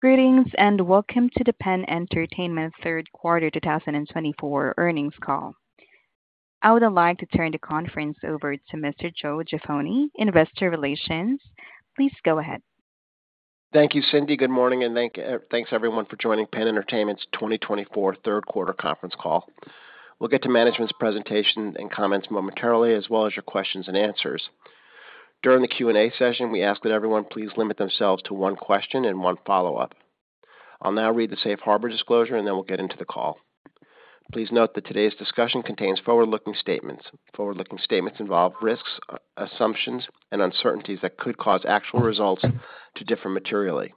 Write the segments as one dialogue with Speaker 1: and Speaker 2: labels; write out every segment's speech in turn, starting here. Speaker 1: Greetings and welcome to the Penn Entertainment Third Quarter 2024 Earnings Call. I would like to turn the conference over to Mr. Joe Jaffoni, Investor Relations. Please go ahead.
Speaker 2: Thank you, Cindy. Good morning and thanks everyone for joining PENN Entertainment's 2024 Third Quarter conference call. We'll get to management's presentation and comments momentarily, as well as your questions and answers. During the Q&A session, we ask that everyone please limit themselves to one question and one follow-up. I'll now read the safe harbor disclosure and then we'll get into the call. Please note that today's discussion contains forward-looking statements. Forward-looking statements involve risks, assumptions, and uncertainties that could cause actual results to differ materially.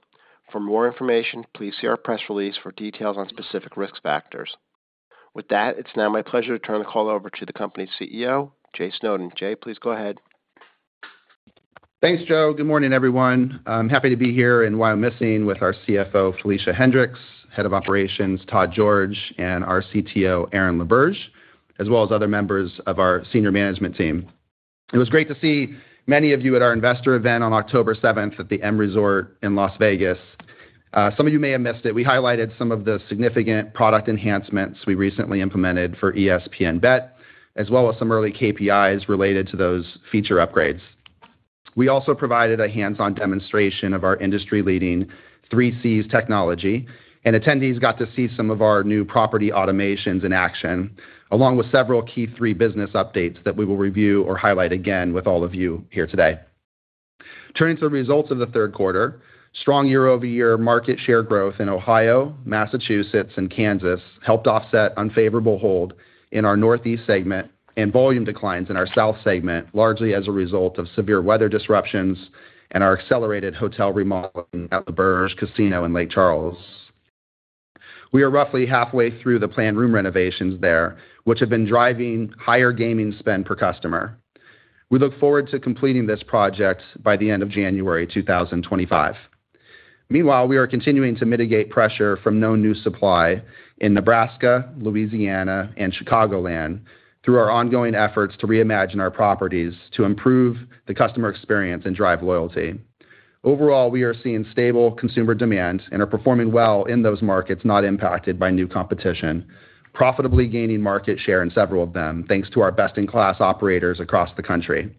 Speaker 2: For more information, please see our press release for details on specific risk factors. With that, it's now my pleasure to turn the call over to the company's CEO, Jay Snowden. Jay, please go ahead.
Speaker 3: Thanks, Joe. Good morning, everyone. I'm happy to be here in Wyomissing with our CFO, Felicia Hendrix, Head of Operations, Todd George, and our CTO, Aaron LaBerge, as well as other members of our senior management team. It was great to see many of you at our investor event on October 7th at the M Resort in Las Vegas. Some of you may have missed it. We highlighted some of the significant product enhancements we recently implemented for ESPN BET, as well as some early KPIs related to those feature upgrades. We also provided a hands-on demonstration of our industry-leading 3Cs technology, and attendees got to see some of our new property automations in action, along with several key business updates that we will review or highlight again with all of you here today. Turning to the results of the third quarter, strong year-over-year market share growth in Ohio, Massachusetts, and Kansas helped offset unfavorable hold in our Northeast segment and volume declines in our South segment, largely as a result of severe weather disruptions and our accelerated hotel remodeling at L'Auberge Casino in Lake Charles. We are roughly halfway through the planned room renovations there, which have been driving higher gaming spend per customer. We look forward to completing this project by the end of January 2025. Meanwhile, we are continuing to mitigate pressure from no new supply in Nebraska, Louisiana, and Chicagoland through our ongoing efforts to reimagine our properties to improve the customer experience and drive loyalty. Overall, we are seeing stable consumer demand and are performing well in those markets not impacted by new competition, profitably gaining market share in several of them thanks to our best-in-class operators across the country.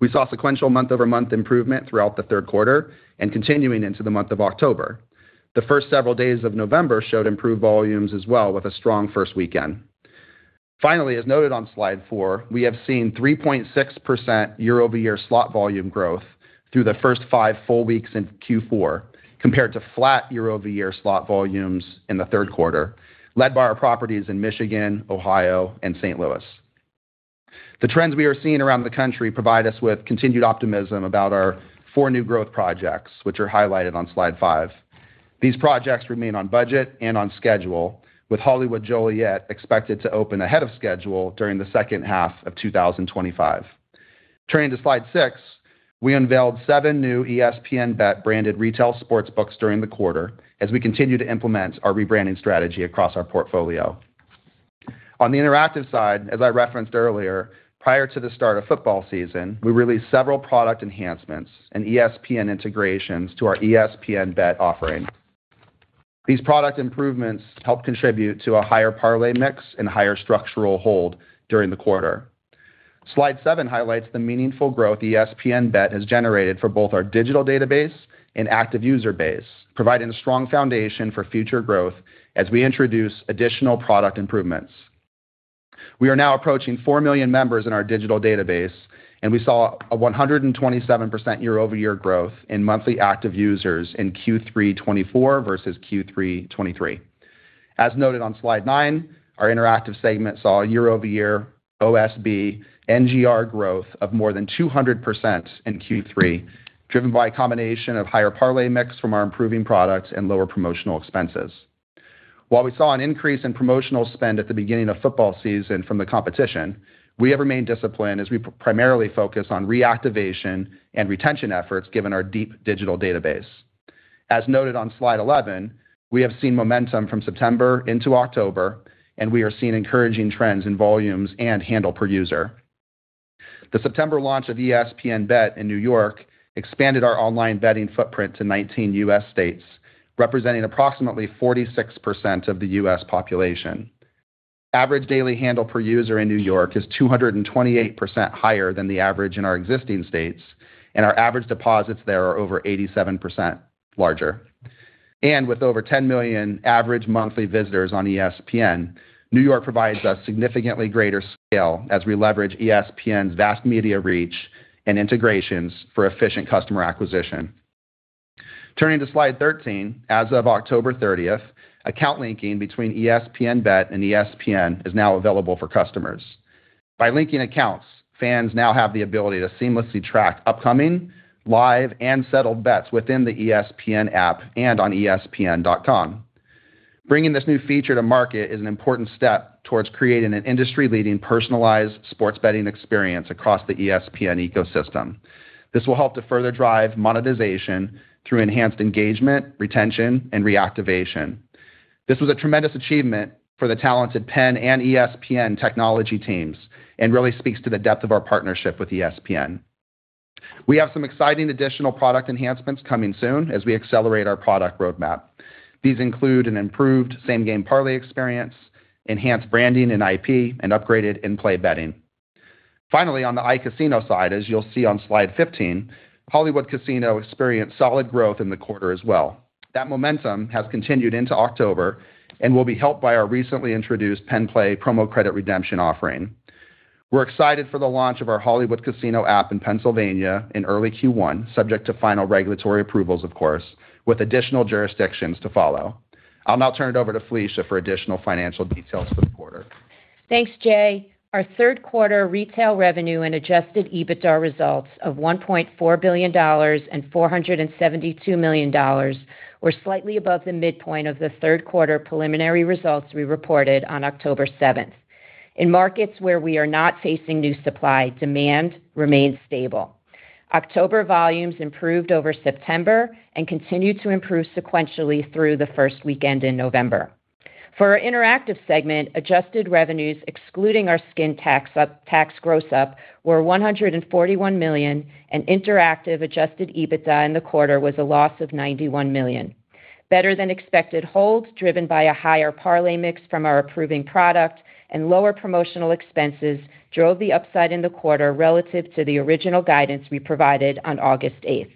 Speaker 3: We saw sequential month-over-month improvement throughout the third quarter and continuing into the month of October. The first several days of November showed improved volumes as well with a strong first weekend. Finally, as noted on slide four, we have seen 3.6% year-over-year slot volume growth through the first five full weeks in Q4 compared to flat year-over-year slot volumes in the third quarter, led by our properties in Michigan, Ohio, and St. Louis. The trends we are seeing around the country provide us with continued optimism about our four new growth projects, which are highlighted on slide five. These projects remain on budget and on schedule, with Hollywood Casino Joliet expected to open ahead of schedule during the second half of 2025. Turning to slide six, we unveiled seven new ESPN BET branded retail sports books during the quarter as we continue to implement our rebranding strategy across our portfolio. On the interactive side, as I referenced earlier, prior to the start of football season, we released several product enhancements and ESPN integrations to our ESPN BET offering. These product improvements help contribute to a higher parlay mix and higher structural hold during the quarter. Slide seven highlights the meaningful growth ESPN BET has generated for both our digital database and active user base, providing a strong foundation for future growth as we introduce additional product improvements. We are now approaching four million members in our digital database, and we saw a 127% year-over-year growth in monthly active users in Q3 2024 versus Q3 2023. As noted on slide nine, our interactive segment saw year-over-year OSB NGR growth of more than 200% in Q3, driven by a combination of higher parlay mix from our improving products and lower promotional expenses. While we saw an increase in promotional spend at the beginning of football season from the competition, we have remained disciplined as we primarily focus on reactivation and retention efforts given our deep digital database. As noted on slide 11, we have seen momentum from September into October, and we are seeing encouraging trends in volumes and handle per user. The September launch of ESPN BET in New York expanded our online betting footprint to 19 U.S. states, representing approximately 46% of the U.S. population. Average daily handle per user in New York is 228% higher than the average in our existing states, and our average deposits there are over 87% larger, and with over 10 million average monthly visitors on ESPN, New York provides us significantly greater scale as we leverage ESPN's vast media reach and integrations for efficient customer acquisition. Turning to slide 13, as of October 30th, account linking between ESPN BET and ESPN is now available for customers. By linking accounts, fans now have the ability to seamlessly track upcoming, live, and settled bets within the ESPN app and on ESPN.com. Bringing this new feature to market is an important step towards creating an industry-leading personalized sports betting experience across the ESPN ecosystem. This will help to further drive monetization through enhanced engagement, retention, and reactivation. This was a tremendous achievement for the talented PENN and ESPN technology teams and really speaks to the depth of our partnership with ESPN. We have some exciting additional product enhancements coming soon as we accelerate our product roadmap. These include an improved same-game parlay experience, enhanced branding and IP, and upgraded in-play betting. Finally, on the iCasino side, as you'll see on slide 15, Hollywood Casino experienced solid growth in the quarter as well. That momentum has continued into October and will be helped by our recently introduced PennPlay promo credit redemption offering. We're excited for the launch of our Hollywood Casino app in Pennsylvania in early Q1, subject to final regulatory approvals, of course, with additional jurisdictions to follow. I'll now turn it over to Felicia for additional financial details for the quarter.
Speaker 4: Thanks, Jay. Our third quarter retail revenue and Adjusted EBITDA results of $1.4 billion and $472 million were slightly above the midpoint of the third quarter preliminary results we reported on October 7th. In markets where we are not facing new supply, demand remains stable. October volumes improved over September and continued to improve sequentially through the first weekend in November. For our interactive segment, adjusted revenues, excluding our skin tax gross-up, were $141 million, and interactive Adjusted EBITDA in the quarter was a loss of $91 million. Better-than-expected holds driven by a higher parlay mix from our app product and lower promotional expenses drove the upside in the quarter relative to the original guidance we provided on August 8th.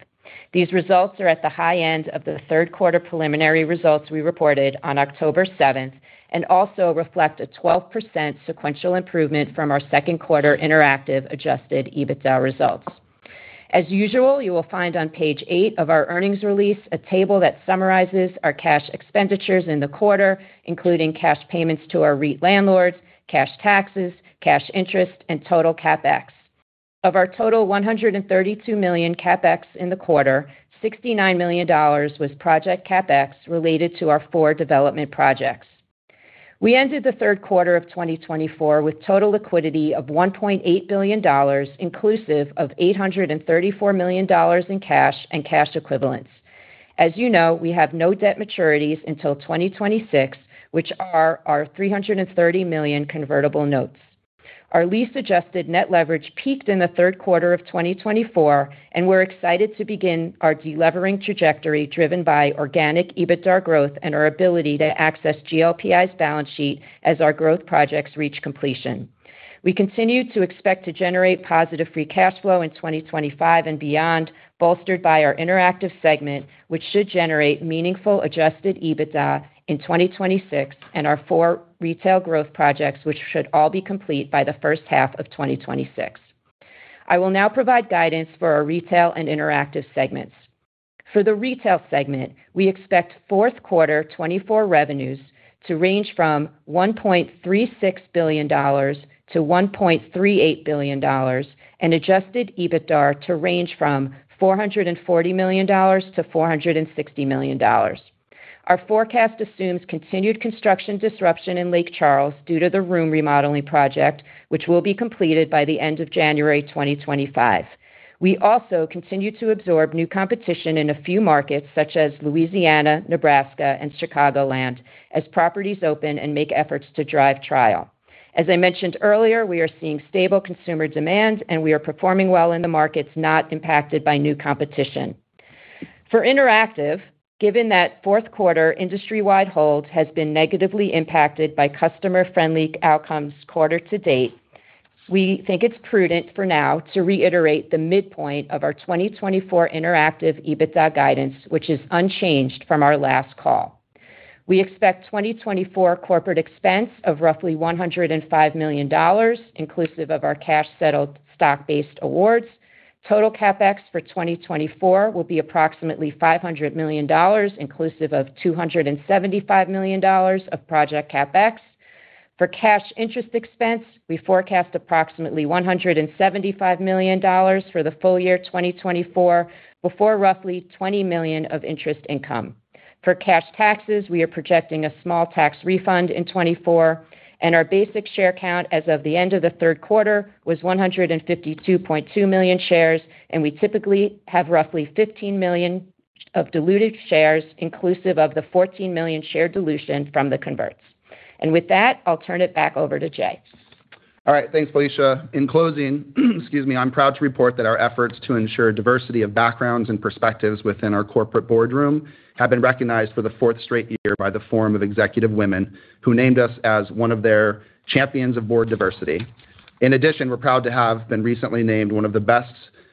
Speaker 4: These results are at the high end of the third quarter preliminary results we reported on October 7th and also reflect a 12% sequential improvement from our second quarter interactive Adjusted EBITDA results. As usual, you will find on page eight of our earnings release a table that summarizes our cash expenditures in the quarter, including cash payments to our landlords, cash taxes, cash interest, and total CapEx. Of our total $132 million CapEx in the quarter, $69 million was project CapEx related to our four development projects. We ended the third quarter of 2024 with total liquidity of $1.8 billion, inclusive of $834 million in cash and cash equivalents. As you know, we have no debt maturities until 2026, which are our $330 million convertible notes. Our latest adjusted net leverage peaked in the third quarter of 2024, and we're excited to begin our delevering trajectory driven by organic EBITDA growth and our ability to access GLPI's balance sheet as our growth projects reach completion. We continue to expect to generate positive free cash flow in 2025 and beyond, bolstered by our interactive segment, which should generate meaningful Adjusted EBITDA in 2026 and our four retail growth projects, which should all be complete by the first half of 2026. I will now provide guidance for our retail and interactive segments. For the retail segment, we expect fourth quarter 2024 revenues to range from $1.36 billion-$1.38 billion and Adjusted EBITDA to range from $440 million-$460 million. Our forecast assumes continued construction disruption in Lake Charles due to the room remodeling project, which will be completed by the end of January 2025. We also continue to absorb new competition in a few markets such as Louisiana, Nebraska, and Chicagoland as properties open and make efforts to drive trial. As I mentioned earlier, we are seeing stable consumer demand, and we are performing well in the markets not impacted by new competition. For interactive, given that fourth quarter industry-wide hold has been negatively impacted by customer-friendly outcomes quarter to date, we think it's prudent for now to reiterate the midpoint of our 2024 interactive EBITDA guidance, which is unchanged from our last call. We expect 2024 corporate expense of roughly $105 million, inclusive of our cash-settled stock-based awards. Total CapEx for 2024 will be approximately $500 million, inclusive of $275 million of project CapEx. For cash interest expense, we forecast approximately $175 million for the full year 2024 before roughly $20 million of interest income. For cash taxes, we are projecting a small tax refund in 2024, and our basic share count as of the end of the third quarter was 152.2 million shares, and we typically have roughly 15 million of diluted shares, inclusive of the 14 million share dilution from the converts, and with that, I'll turn it back over to Jay.
Speaker 3: All right. Thanks, Felicia. In closing, excuse me, I'm proud to report that our efforts to ensure diversity of backgrounds and perspectives within our corporate boardroom have been recognized for the fourth straight year by the Forum of Executive Women, who named us as one of their champions of board diversity. In addition, we're proud to have been recently named one of the Best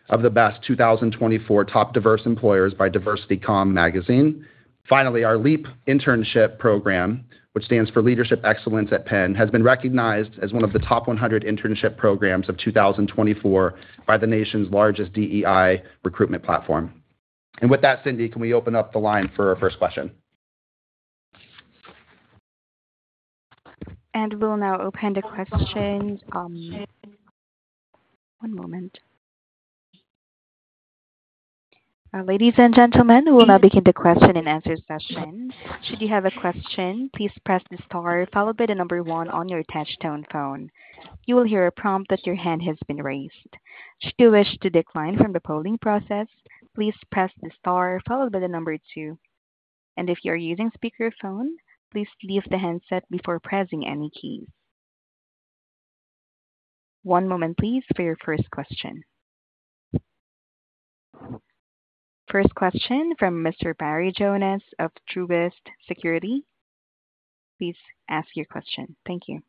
Speaker 3: of the Best 2024 top diverse employers by DiversityComm Magazine. Finally, our LEAP internship program, which stands for Leadership Excellence at Penn, has been recognized as one of the top 100 internship programs of 2024 by the nation's largest DEI recruitment platform. And with that, Cindy, can we open up the line for our first question?
Speaker 1: We'll now open the question. One moment. Ladies and gentlemen, we'll now begin the question and answer session. Should you have a question, please press the star, followed by the number one on your touch-tone phone. You will hear a prompt that your hand has been raised. Should you wish to decline from the polling process, please press the star, followed by the number two. And if you are using speakerphone, please leave the handset before pressing any keys. One moment, please, for your first question. First question from Mr. Barry Jonas of Truist Securities. Please ask your question. Thank you.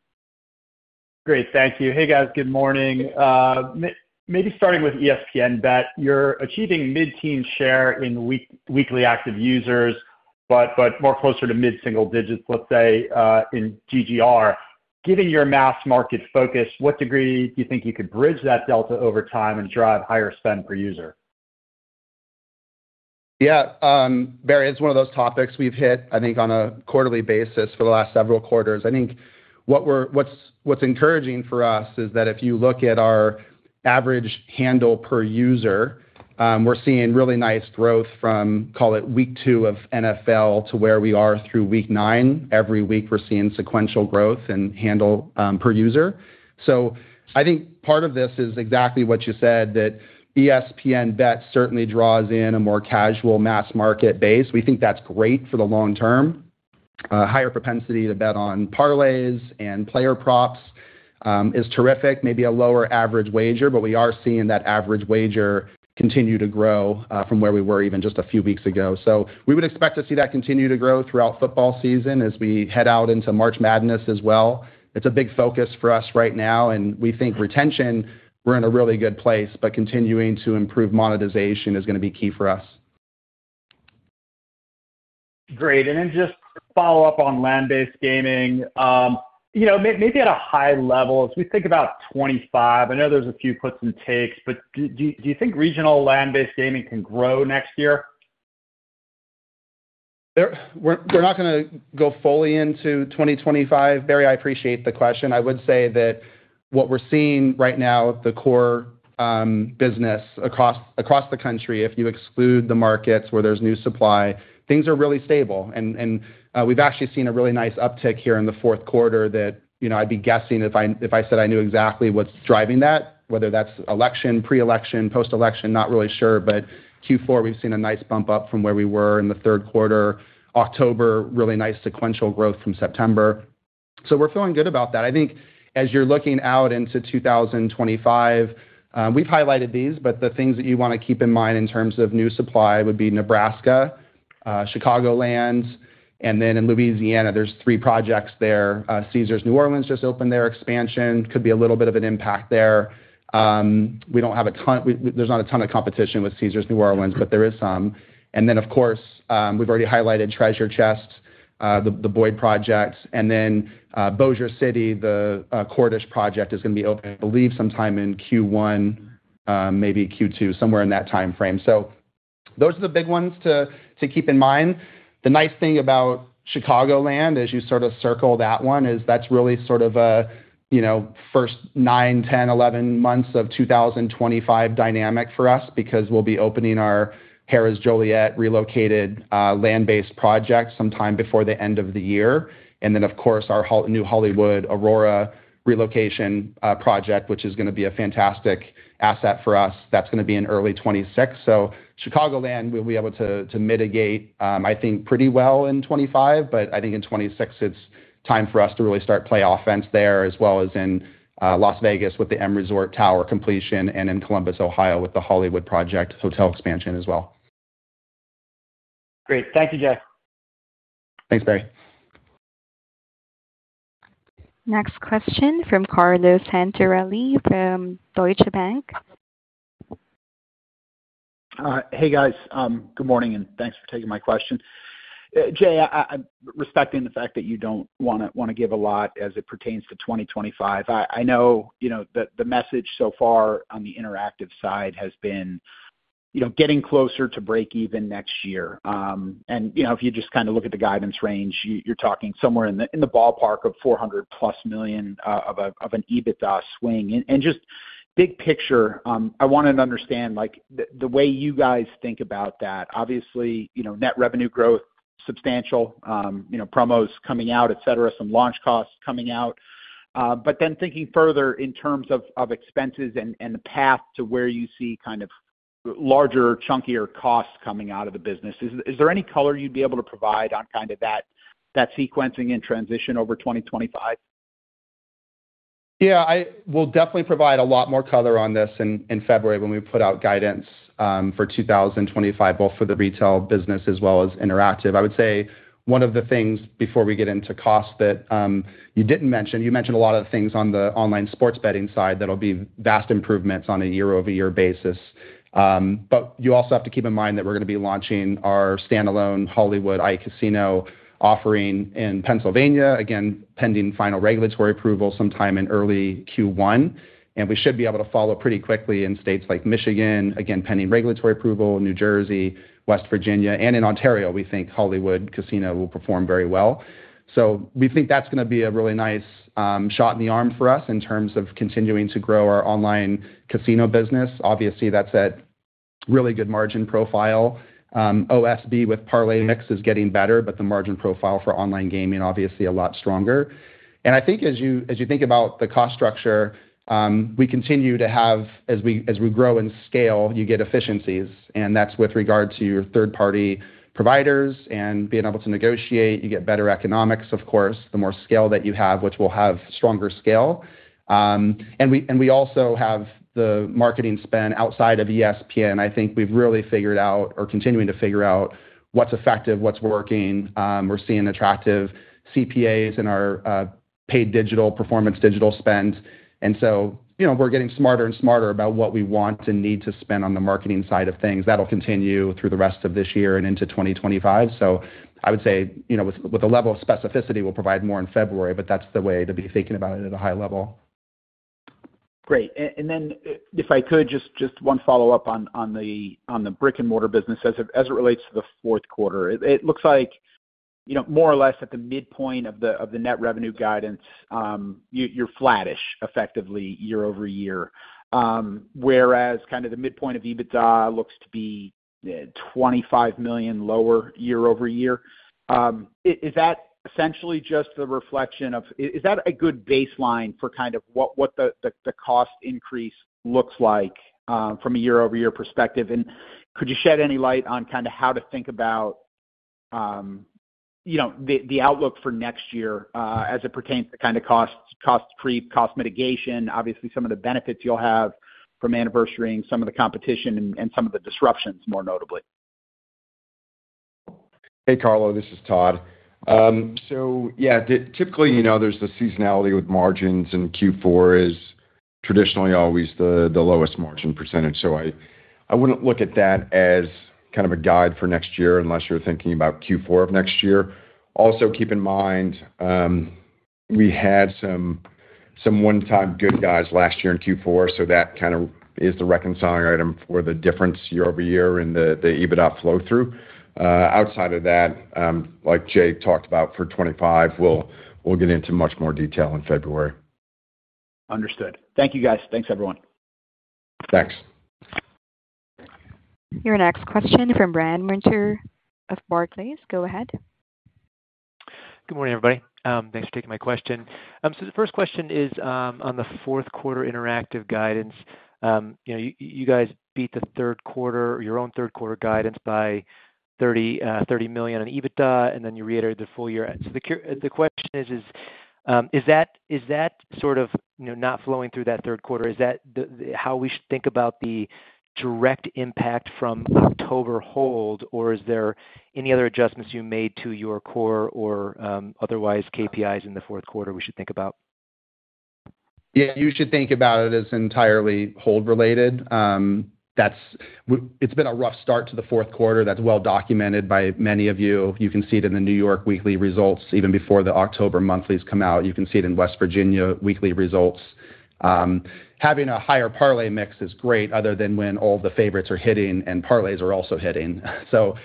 Speaker 5: Great. Thank you. Hey, guys. Good morning. Maybe starting with ESPN BET, you're achieving mid-teens share in weekly active users, but more closer to mid-single digits, let's say, in GGR. Given your mass market focus, what degree do you think you could bridge that delta over time and drive higher spend per user?
Speaker 3: Yeah. Barry, it's one of those topics we've hit, I think, on a quarterly basis for the last several quarters. I think what's encouraging for us is that if you look at our average handle per user, we're seeing really nice growth from, call it, week two of NFL to where we are through week nine. Every week, we're seeing sequential growth in handle per user. So I think part of this is exactly what you said, that ESPN BET certainly draws in a more casual mass market base. We think that's great for the long term. Higher propensity to bet on parlays and player props is terrific, maybe a lower average wager, but we are seeing that average wager continue to grow from where we were even just a few weeks ago. So we would expect to see that continue to grow throughout football season as we head out into March Madness as well. It's a big focus for us right now, and we think retention, we're in a really good place, but continuing to improve monetization is going to be key for us.
Speaker 5: Great. And then just follow up on land-based gaming. Maybe at a high level, as we think about 2025, I know there's a few puts and takes, but do you think regional land-based gaming can grow next year?
Speaker 3: We're not going to go fully into 2025. Barry, I appreciate the question. I would say that what we're seeing right now, the core business across the country, if you exclude the markets where there's new supply, things are really stable, and we've actually seen a really nice uptick here in the fourth quarter that I'd be guessing if I said I knew exactly what's driving that, whether that's election, pre-election, post-election, not really sure. But Q4, we've seen a nice bump up from where we were in the third quarter, October really nice sequential growth from September. So we're feeling good about that. I think as you're looking out into 2025, we've highlighted these, but the things that you want to keep in mind in terms of new supply would be Nebraska, Chicagoland, and then in Louisiana, there's three projects there. Caesars New Orleans just opened their expansion. Could be a little bit of an impact there. We don't have a ton; there's not a ton of competition with Caesars New Orleans, but there is some. And then, of course, we've already highlighted Treasure Chest, the Boyd project, and then Bossier City, the Cordish project is going to be open, I believe, sometime in Q1, maybe Q2, somewhere in that timeframe. So those are the big ones to keep in mind. The nice thing about Chicagoland, as you sort of circle that one, is that's really sort of a first nine, 10, 11 months of 2025 dynamic for us because we'll be opening our Harrah's Joliet relocated land-based project sometime before the end of the year. And then, of course, our new Hollywood Casino Aurora relocation project, which is going to be a fantastic asset for us. That's going to be in early 2026. So Chicagoland, we'll be able to mitigate, I think, pretty well in 2025, but I think in 2026 it's time for us to really start playoff offense there, as well as in Las Vegas with the M Resort Tower completion and in Columbus, Ohio, with the Hollywood project hotel expansion as well.
Speaker 5: Great. Thank you, Jay.
Speaker 3: Thanks, Barry.
Speaker 1: Next question from Carlo Santorelli from Deutsche Bank.
Speaker 6: Hey, guys. Good morning and thanks for taking my question. Jay, respecting the fact that you don't want to give a lot as it pertains to 2025, I know the message so far on the interactive side has been getting closer to break-even next year. And if you just kind of look at the guidance range, you're talking somewhere in the ballpark of $400 million-plus of an EBITDA swing. And just big picture, I wanted to understand the way you guys think about that. Obviously, net revenue growth, substantial, promos coming out, etc., some launch costs coming out. But then thinking further in terms of expenses and the path to where you see kind of larger, chunkier costs coming out of the business, is there any color you'd be able to provide on kind of that sequencing and transition over 2025?
Speaker 3: Yeah. We'll definitely provide a lot more color on this in February when we put out guidance for 2025, both for the retail business as well as interactive. I would say one of the things before we get into cost that you didn't mention, you mentioned a lot of things on the online sports betting side that'll be vast improvements on a year-over-year basis. But you also have to keep in mind that we're going to be launching our standalone Hollywood iCasino offering in Pennsylvania, again, pending final regulatory approval sometime in early Q1. And we should be able to follow pretty quickly in states like Michigan, again, pending regulatory approval, New Jersey, West Virginia, and in Ontario, we think Hollywood Casino will perform very well. We think that's going to be a really nice shot in the arm for us in terms of continuing to grow our online casino business. Obviously, that's at really good margin profile. OSB with parlay mix is getting better, but the margin profile for online gaming, obviously, a lot stronger. And I think as you think about the cost structure, we continue to have, as we grow in scale, you get efficiencies. And that's with regard to your third-party providers and being able to negotiate. You get better economics, of course, the more scale that you have, which will have stronger scale. And we also have the marketing spend outside of ESPN. I think we've really figured out or continuing to figure out what's effective, what's working. We're seeing attractive CPAs in our paid digital performance digital spend. And so we're getting smarter and smarter about what we want and need to spend on the marketing side of things. That'll continue through the rest of this year and into 2025. So I would say with a level of specificity, we'll provide more in February, but that's the way to be thinking about it at a high level.
Speaker 6: Great. And then if I could, just one follow-up on the brick-and-mortar business as it relates to the fourth quarter. It looks like more or less at the midpoint of the net revenue guidance, you're flattish effectively year-over-year, whereas kind of the midpoint of EBITDA looks to be $25 million lower year-over-year. Is that essentially just the reflection of a good baseline for kind of what the cost increase looks like from a year-over-year perspective? And could you shed any light on kind of how to think about the outlook for next year as it pertains to kind of cost creep, cost mitigation, obviously some of the benefits you'll have from anniversary and some of the competition and some of the disruptions, more notably?
Speaker 7: Hey, Carlo, this is Todd. So yeah, typically there's the seasonality with margins, and Q4 is traditionally always the lowest margin percentage. So I wouldn't look at that as kind of a guide for next year unless you're thinking about Q4 of next year. Also keep in mind we had some one-time good guys last year in Q4, so that kind of is the reconciling item for the difference year-over-year in the EBITDA flow-through. Outside of that, like Jay talked about for 2025, we'll get into much more detail in February.
Speaker 6: Understood. Thank you, guys. Thanks, everyone.
Speaker 7: Thanks.
Speaker 1: Your next question from Brandt Montour of Barclays. Go ahead.
Speaker 8: Good morning, everybody. Thanks for taking my question. So the first question is on the fourth quarter interactive guidance. You guys beat the third quarter, your own third quarter guidance by $30 million on EBITDA, and then you reiterated the full year. So the question is, is that sort of not flowing through that third quarter? Is that how we should think about the direct impact from October hold, or is there any other adjustments you made to your core or otherwise KPIs in the fourth quarter we should think about?
Speaker 3: Yeah, you should think about it as entirely hold-related. It's been a rough start to the fourth quarter. That's well documented by many of you. You can see it in the New York weekly results even before the October monthlies come out. You can see it in West Virginia weekly results. Having a higher parlay mix is great other than when all the favorites are hitting and parlays are also hitting. So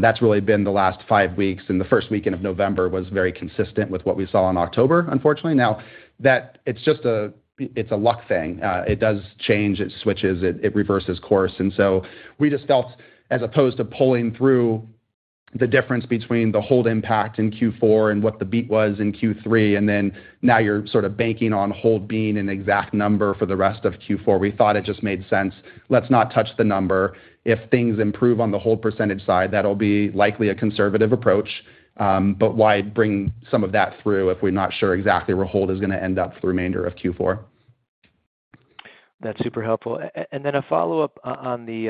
Speaker 3: that's really been the last five weeks, and the first weekend of November was very consistent with what we saw in October, unfortunately. Now, it's just a luck thing. It does change. It switches. It reverses course. And so we just felt, as opposed to pulling through the difference between the hold impact in Q4 and what the beat was in Q3, and then now you're sort of banking on hold being an exact number for the rest of Q4, we thought it just made sense. Let's not touch the number. If things improve on the hold percentage side, that'll be likely a conservative approach. But why bring some of that through if we're not sure exactly where hold is going to end up for the remainder of Q4?
Speaker 8: That's super helpful. And then a follow-up on the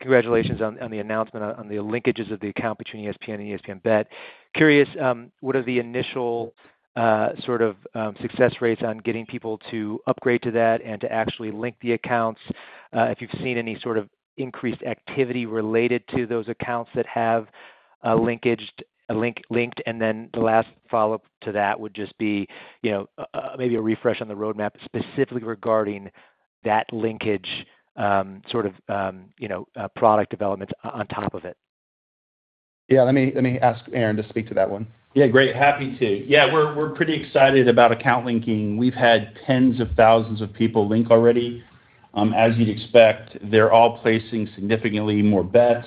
Speaker 8: congratulations on the announcement on the linkages of the account between ESPN and ESPN BET. Curious, what are the initial sort of success rates on getting people to upgrade to that and to actually link the accounts? If you've seen any sort of increased activity related to those accounts that have linkaged, linked, and then the last follow-up to that would just be maybe a refresh on the roadmap specifically regarding that linkage sort of product development on top of it.
Speaker 3: Yeah, let me ask Aaron to speak to that one.
Speaker 9: Yeah, great. Happy to. Yeah, we're pretty excited about account linking. We've had tens of thousands of people link already. As you'd expect, they're all placing significantly more bets,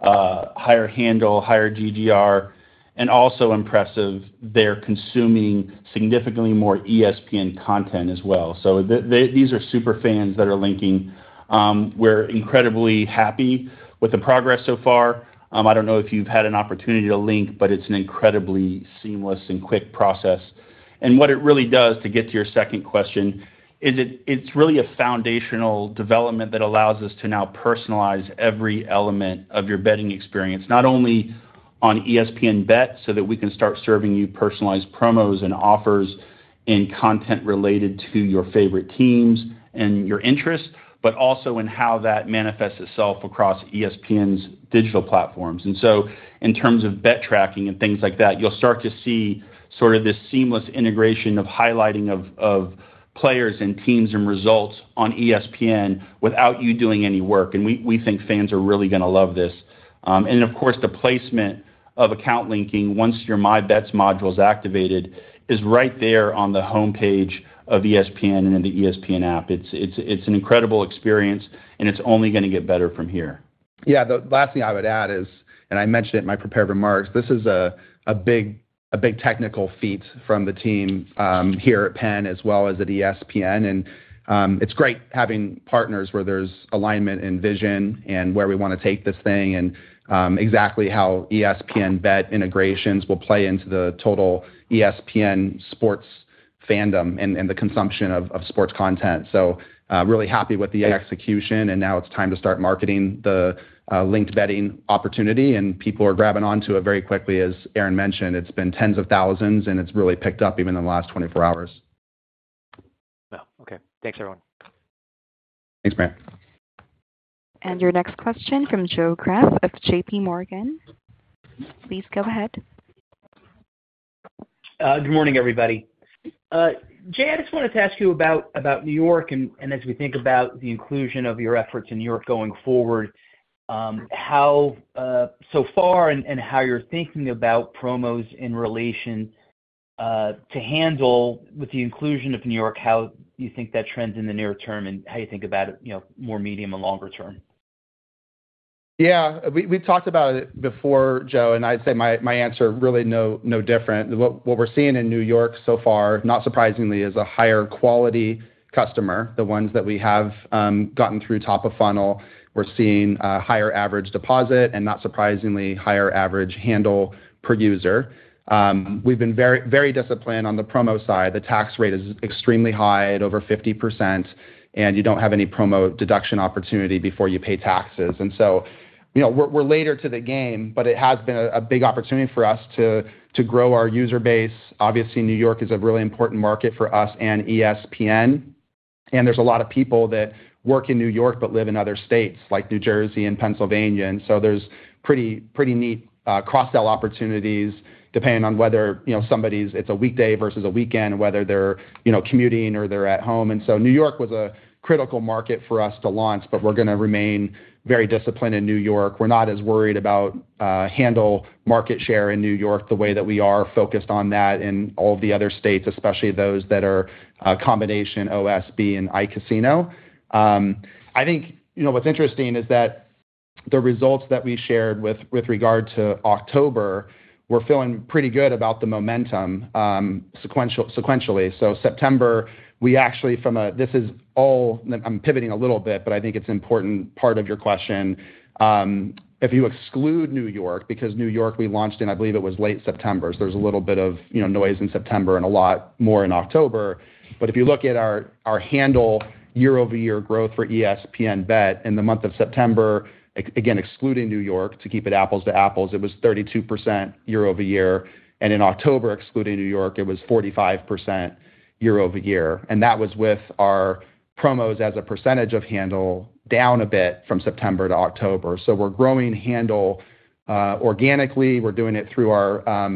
Speaker 9: higher handle, higher GGR, and also impressive. They're consuming significantly more ESPN content as well. So these are super fans that are linking. We're incredibly happy with the progress so far. I don't know if you've had an opportunity to link, but it's an incredibly seamless and quick process, and what it really does to get to your second question is it's really a foundational development that allows us to now personalize every element of your betting experience, not only on ESPN BET so that we can start serving you personalized promos and offers in content related to your favorite teams and your interests, but also in how that manifests itself across ESPN's digital platforms. And so in terms of bet tracking and things like that, you'll start to see sort of this seamless integration of highlighting of players and teams and results on ESPN without you doing any work. And we think fans are really going to love this. And of course, the placement of account linking once your My Bets module is activated is right there on the homepage of ESPN and in the ESPN app. It's an incredible experience, and it's only going to get better from here.
Speaker 3: Yeah, the last thing I would add is, and I mentioned it in my prepared remarks, this is a big technical feat from the team here at Penn as well as at ESPN, and it's great having partners where there's alignment and vision and where we want to take this thing and exactly how ESPN BET integrations will play into the total ESPN sports fandom and the consumption of sports content, so really happy with the execution, and now it's time to start marketing the linked betting opportunity, and people are grabbing onto it very quickly. As Aaron mentioned, it's been tens of thousands, and it's really picked up even in the last 24 hours.
Speaker 8: Wow. Okay. Thanks, everyone.
Speaker 3: Thanks, Brandt.
Speaker 1: And your next question from Joe Greff of JPMorgan. Please go ahead.
Speaker 10: Good morning, everybody. Jay, I just wanted to ask you about New York and as we think about the inclusion of your efforts in New York going forward, how so far and how you're thinking about promos in relation to handle with the inclusion of New York, how you think that trends in the near term and how you think about it more medium and longer term?
Speaker 3: Yeah, we talked about it before, Joe, and I'd say my answer really no different. What we're seeing in New York so far, not surprisingly, is a higher quality customer, the ones that we have gotten through top of funnel. We're seeing a higher average deposit and not surprisingly higher average handle per user. We've been very disciplined on the promo side. The tax rate is extremely high at over 50%, and you don't have any promo deduction opportunity before you pay taxes. And so we're later to the game, but it has been a big opportunity for us to grow our user base. Obviously, New York is a really important market for us and ESPN. And there's a lot of people that work in New York but live in other states like New Jersey and Pennsylvania. There's pretty neat cross-sell opportunities depending on whether somebody's it's a weekday versus a weekend and whether they're commuting or they're at home. New York was a critical market for us to launch, but we're going to remain very disciplined in New York. We're not as worried about handle market share in New York the way that we are focused on that in all of the other states, especially those that are a combination OSB and iCasino. I think what's interesting is that the results that we shared with regard to October, we're feeling pretty good about the momentum sequentially. September, we actually from a this is all I'm pivoting a little bit, but I think it's an important part of your question. If you exclude New York, because New York we launched in, I believe it was late September, so there's a little bit of noise in September and a lot more in October. But if you look at our handle year-over-year growth for ESPN BET in the month of September, again, excluding New York, to keep it apples to apples, it was 32% year-over-year, and in October, excluding New York, it was 45% year-over-year, and that was with our promos as a percentage of handle down a bit from September to October, so we're growing handle organically. We're doing it through our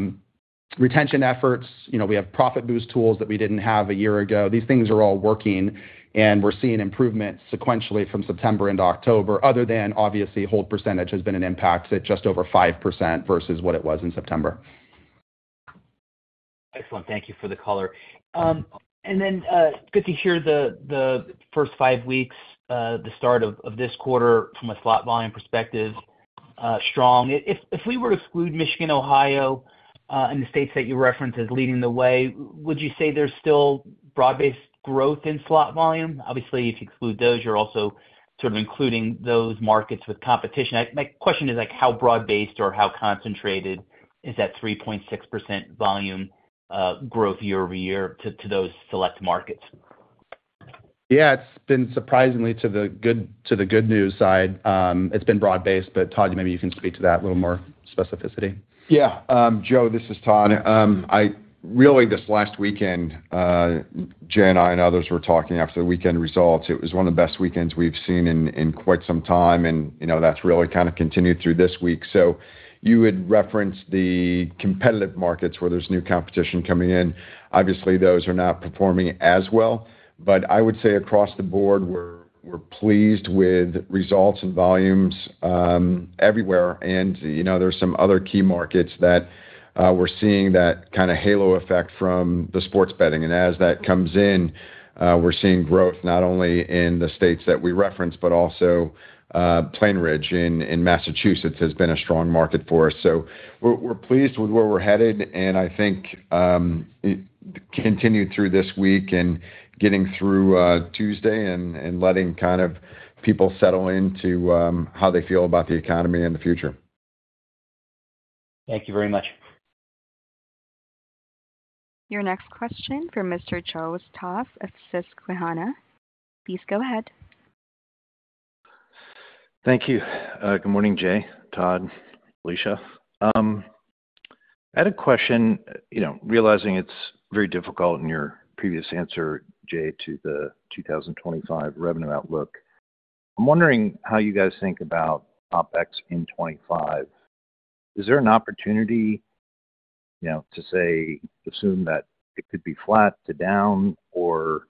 Speaker 3: retention efforts. We have profit boost tools that we didn't have a year ago. These things are all working, and we're seeing improvements sequentially from September into October. Other than obviously, hold percentage has been an impact at just over 5% versus what it was in September.
Speaker 10: Excellent. Thank you for the color. And then good to hear the first five weeks, the start of this quarter from a slot volume perspective, strong. If we were to exclude Michigan, Ohio, and the states that you referenced as leading the way, would you say there's still broad-based growth in slot volume? Obviously, if you exclude those, you're also sort of including those markets with competition. My question is, how broad-based or how concentrated is that 3.6% volume growth year-over-year to those select markets?
Speaker 3: Yeah, it's been surprisingly to the good news side. It's been broad-based, but Todd, maybe you can speak to that a little more specificity.
Speaker 7: Yeah. Joe, this is Todd. Really, this last weekend, Jay and I and others were talking after the weekend results. It was one of the best weekends we've seen in quite some time, and that's really kind of continued through this week. So you had referenced the competitive markets where there's new competition coming in. Obviously, those are not performing as well. But I would say across the board, we're pleased with results and volumes everywhere. And there's some other key markets that we're seeing that kind of halo effect from the sports betting. And as that comes in, we're seeing growth not only in the states that we referenced, but also Plainridge in Massachusetts has been a strong market for us. So we're pleased with where we're headed, and I think continue through this week and getting through Tuesday and letting kind of people settle into how they feel about the economy and the future.
Speaker 11: Thank you very much.
Speaker 1: Your next question from Mr. Joseph Stauff of Susquehanna. Please go ahead.
Speaker 12: Thank you. Good morning, Jay, Todd, Felicia. I had a question, realizing it's very difficult in your previous answer, Jay, to the 2025 revenue outlook. I'm wondering how you guys think about OpEx in 2025. Is there an opportunity to say, assume that it could be flat to down, or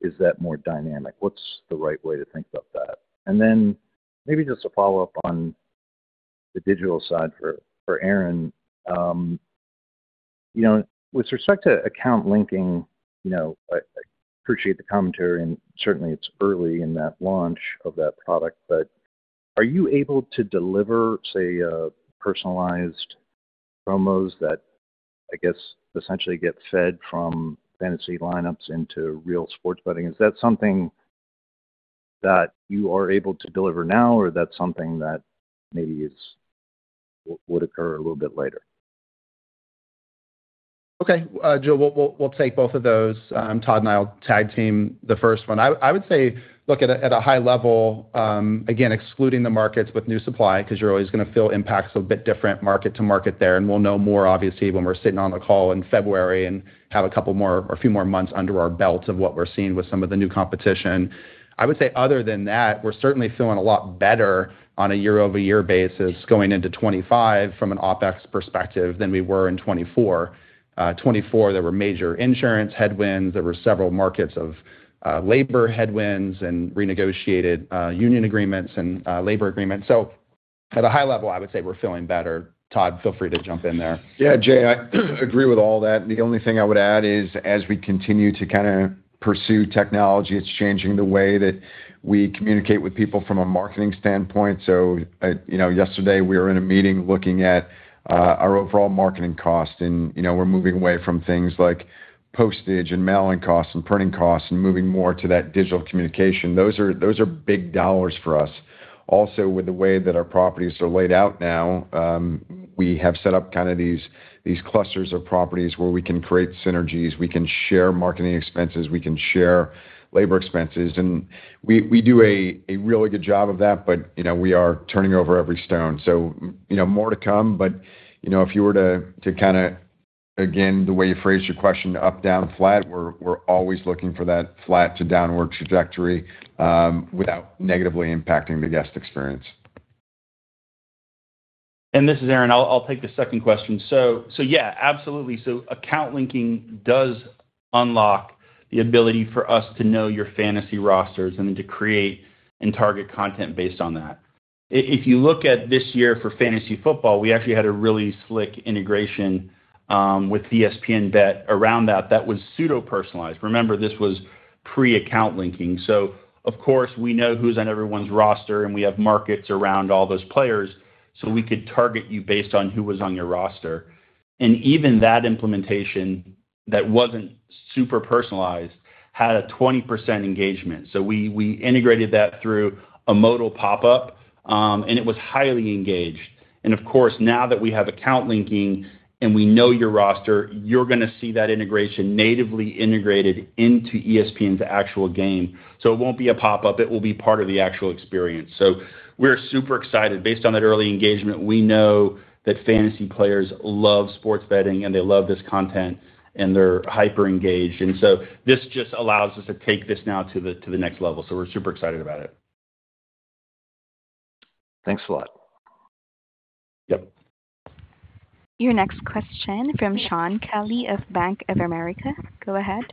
Speaker 12: is that more dynamic? What's the right way to think about that? Then maybe just a follow-up on the digital side for Aaron. With respect to account linking, I appreciate the commentary, and certainly it's early in that launch of that product, but are you able to deliver, say, personalized promos that, I guess, essentially get fed from fantasy lineups into real sports betting? Is that something that you are able to deliver now, or that's something that maybe would occur a little bit later?
Speaker 3: Okay. Joe, we'll take both of those. Todd and I'll tag team the first one. I would say, look, at a high level, again, excluding the markets with new supply, because you're always going to feel impacts a bit different market to market there, and we'll know more, obviously, when we're sitting on the call in February and have a couple more or a few more months under our belt of what we're seeing with some of the new competition. I would say, other than that, we're certainly feeling a lot better on a year-over-year basis going into 2025 from an OpEx perspective than we were in 2024. 2024, there were major insurance headwinds. There were several markets of labor headwinds and renegotiated union agreements and labor agreements. So at a high level, I would say we're feeling better. Todd, feel free to jump in there.
Speaker 7: Yeah, Jay, I agree with all that. The only thing I would add is, as we continue to kind of pursue technology, it's changing the way that we communicate with people from a marketing standpoint. So yesterday, we were in a meeting looking at our overall marketing cost, and we're moving away from things like postage and mailing costs and printing costs and moving more to that digital communication. Those are big dollars for us. Also, with the way that our properties are laid out now, we have set up kind of these clusters of properties where we can create synergies. We can share marketing expenses. We can share labor expenses. And we do a really good job of that, but we are turning over every stone. So, more to come, but if you were to kind of, again, the way you phrased your question, up, down, flat, we're always looking for that flat to downward trajectory without negatively impacting the guest experience.
Speaker 9: This is Aaron. I'll take the second question. So yeah, absolutely. So account linking does unlock the ability for us to know your fantasy rosters and then to create and target content based on that. If you look at this year for fantasy football, we actually had a really slick integration with ESPN BET around that. That was pseudo-personalized. Remember, this was pre-account linking. So of course, we know who's on everyone's roster, and we have markets around all those players. So we could target you based on who was on your roster. And even that implementation that wasn't super personalized had a 20% engagement. So we integrated that through a modal pop-up, and it was highly engaged. And of course, now that we have account linking and we know your roster, you're going to see that integration natively integrated into ESPN's actual game. So it won't be a pop-up. It will be part of the actual experience. So we're super excited. Based on that early engagement, we know that fantasy players love sports betting and they love this content and they're hyper engaged. And so this just allows us to take this now to the next level. So we're super excited about it.
Speaker 12: Thanks a lot.
Speaker 7: Yep.
Speaker 1: Your next question from Shaun Kelley of Bank of America. Go ahead.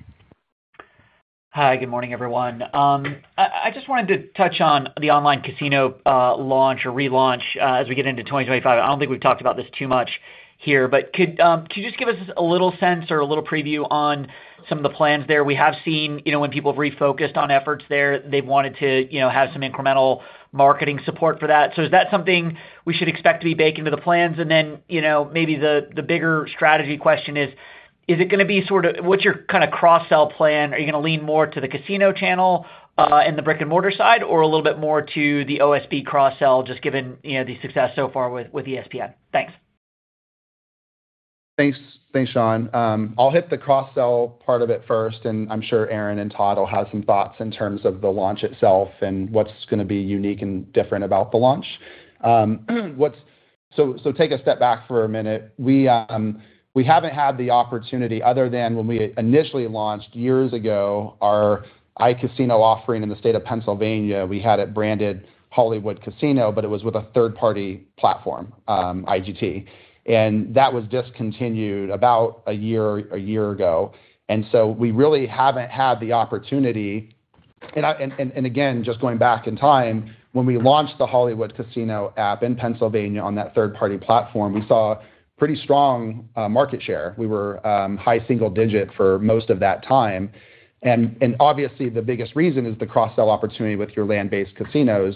Speaker 13: Hi, good morning, everyone. I just wanted to touch on the online casino launch or relaunch as we get into 2025. I don't think we've talked about this too much here, but could you just give us a little sense or a little preview on some of the plans there? We have seen when people have refocused on efforts there, they've wanted to have some incremental marketing support for that. So is that something we should expect to be baked into the plans? And then maybe the bigger strategy question is, is it going to be sort of what's your kind of cross-sell plan? Are you going to lean more to the casino channel and the brick-and-mortar side or a little bit more to the OSB cross-sell just given the success so far with ESPN? Thanks.
Speaker 3: Thanks, Shaun. I'll hit the cross-sell part of it first, and I'm sure Aaron and Todd will have some thoughts in terms of the launch itself and what's going to be unique and different about the launch. So take a step back for a minute. We haven't had the opportunity other than when we initially launched years ago, our iCasino offering in the state of Pennsylvania. We had it branded Hollywood Casino, but it was with a third-party platform, IGT. And that was discontinued about a year ago. And so we really haven't had the opportunity. And again, just going back in time, when we launched the Hollywood Casino app in Pennsylvania on that third-party platform, we saw pretty strong market share. We were high single digit for most of that time. And obviously, the biggest reason is the cross-sell opportunity with your land-based casinos.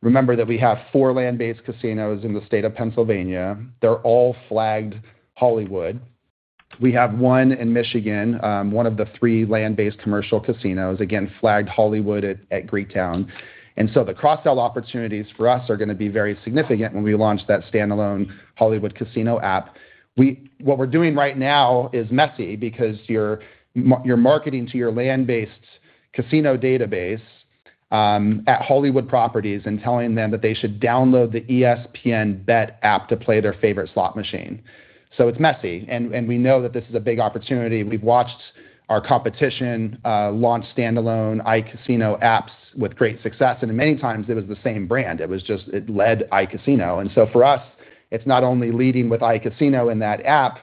Speaker 3: Remember that we have four land-based casinos in the state of Pennsylvania. They're all flagged Hollywood. We have one in Michigan, one of the three land-based commercial casinos, again, flagged Hollywood at Greektown. And so the cross-sell opportunities for us are going to be very significant when we launch that standalone Hollywood Casino app. What we're doing right now is messy because you're marketing to your land-based casino database at Hollywood properties and telling them that they should download the ESPN BET app to play their favorite slot machine. So it's messy. And we know that this is a big opportunity. We've watched our competition launch standalone iCasino apps with great success. And many times, it was the same brand. It was just it led iCasino. For us, it's not only leading with iCasino in that app,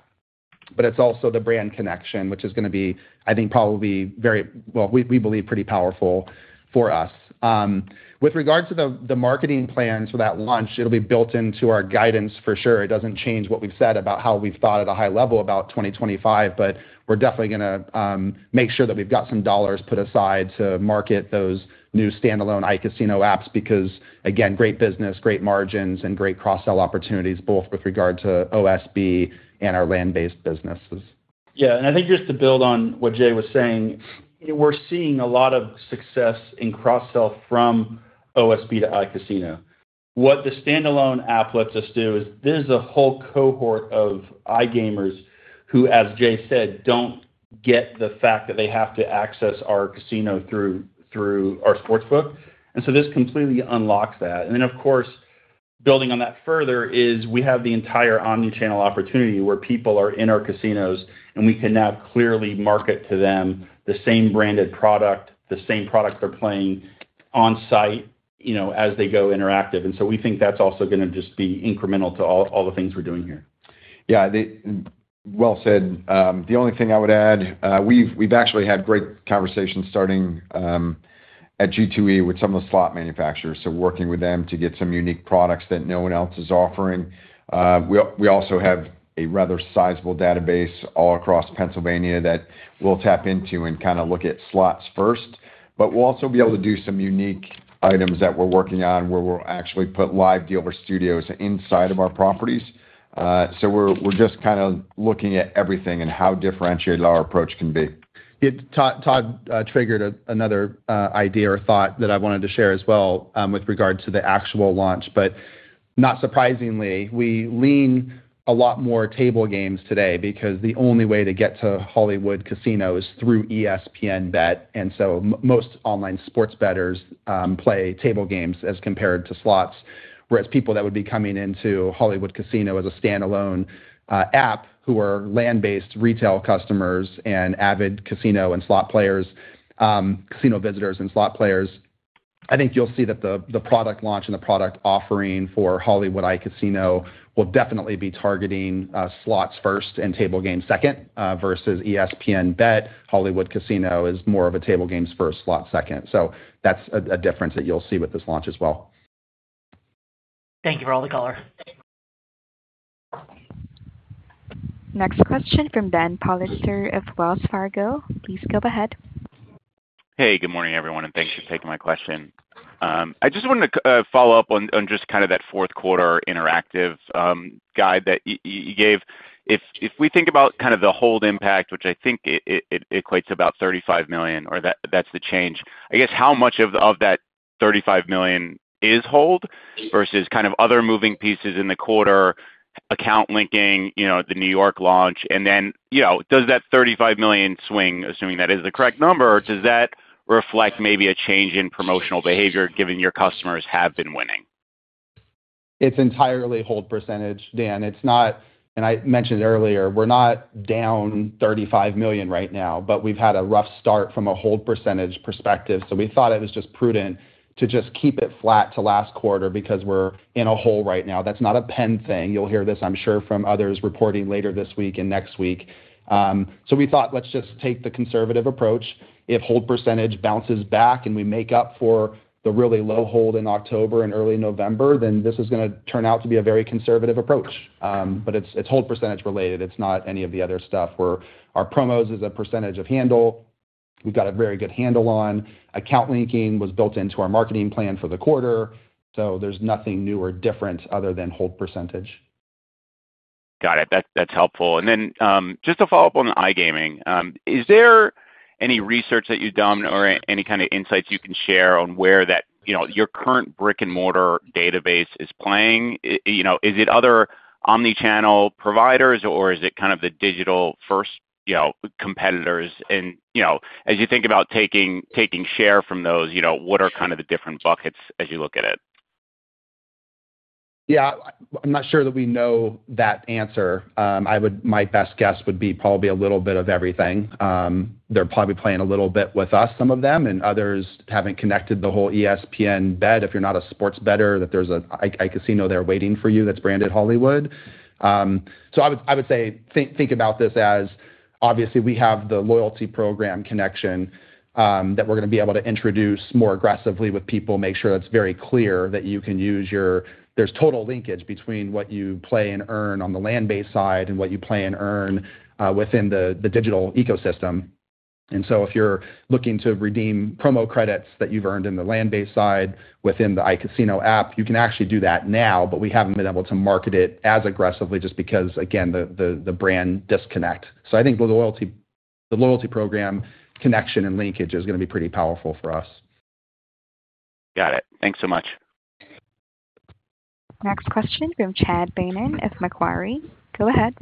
Speaker 3: but it's also the brand connection, which is going to be, I think, probably very well. We believe it's pretty powerful for us. With regards to the marketing plans for that launch, it'll be built into our guidance for sure. It doesn't change what we've said about how we've thought at a high level about 2025, but we're definitely going to make sure that we've got some dollars put aside to market those new standalone iCasino apps because, again, great business, great margins, and great cross-sell opportunities, both with regard to OSB and our land-based businesses.
Speaker 9: Yeah. And I think just to build on what Jay was saying, we're seeing a lot of success in cross-sell from OSB to iCasino. What the standalone app lets us do is there's a whole cohort of iGamers who, as Jay said, don't get the fact that they have to access our casino through our sports book. And so this completely unlocks that. And then, of course, building on that further is we have the entire omnichannel opportunity where people are in our casinos, and we can now clearly market to them the same branded product, the same product they're playing on site as they go interactive. And so we think that's also going to just be incremental to all the things we're doing here.
Speaker 7: Yeah. Well said. The only thing I would add, we've actually had great conversations starting at G2E with some of the slot manufacturers. So working with them to get some unique products that no one else is offering. We also have a rather sizable database all across Pennsylvania that we'll tap into and kind of look at slots first. But we'll also be able to do some unique items that we're working on where we'll actually put live dealer studios inside of our properties. So we're just kind of looking at everything and how differentiated our approach can be.
Speaker 3: Todd triggered another idea or thought that I wanted to share as well with regards to the actual launch, but not surprisingly, we lean a lot more table games today because the only way to get to Hollywood Casino is through ESPN BET, and so most online sports bettors play table games as compared to slots, whereas people that would be coming into Hollywood Casino as a standalone app who are land-based retail customers and avid casino and slot players, casino visitors and slot players, I think you'll see that the product launch and the product offering for Hollywood iCasino will definitely be targeting slots first and table games second versus ESPN BET. Hollywood Casino is more of a table games first, slots second, so that's a difference that you'll see with this launch as well.
Speaker 13: Thank you for all the color.
Speaker 1: Next question from Daniel Politzer of Wells Fargo. Please go ahead.
Speaker 14: Hey, good morning, everyone, and thanks for taking my question. I just wanted to follow up on just kind of that fourth quarter interactive guide that you gave. If we think about kind of the hold impact, which I think equates to about $35 million, or that's the change, I guess how much of that $35 million is hold versus kind of other moving pieces in the quarter, account linking, the New York launch, and then does that $35 million swing, assuming that is the correct number, does that reflect maybe a change in promotional behavior given your customers have been winning?
Speaker 3: It's entirely hold percentage, Dan. And I mentioned earlier, we're not down $35 million right now, but we've had a rough start from a hold percentage perspective. So we thought it was just prudent to just keep it flat to last quarter because we're in a hole right now. That's not a Penn thing. You'll hear this, I'm sure, from others reporting later this week and next week. So we thought, let's just take the conservative approach. If hold percentage bounces back and we make up for the really low hold in October and early November, then this is going to turn out to be a very conservative approach. But it's hold percentage related. It's not any of the other stuff where our promos is a percentage of handle. We've got a very good handle on account linking was built into our marketing plan for the quarter. There's nothing new or different other than hold percentage.
Speaker 14: Got it. That's helpful. And then just to follow up on iGaming, is there any research that you've done or any kind of insights you can share on where your current brick-and-mortar database is playing? Is it other omnichannel providers, or is it kind of the digital-first competitors? And as you think about taking share from those, what are kind of the different buckets as you look at it?
Speaker 3: Yeah. I'm not sure that we know that answer. My best guess would be probably a little bit of everything. They're probably playing a little bit with us, some of them, and others haven't connected the whole ESPN BET. If you're not a sports bettor, that there's an iCasino there waiting for you that's branded Hollywood. So I would say think about this as, obviously, we have the loyalty program connection that we're going to be able to introduce more aggressively with people, make sure that's very clear that you can use your there's total linkage between what you play and earn on the land-based side and what you play and earn within the digital ecosystem. And so if you're looking to redeem promo credits that you've earned in the land-based side within the iCasino app, you can actually do that now, but we haven't been able to market it as aggressively just because, again, the brand disconnect. So I think the loyalty program connection and linkage is going to be pretty powerful for us.
Speaker 14: Got it. Thanks so much.
Speaker 1: Next question from Chad Beynon of Macquarie. Go ahead.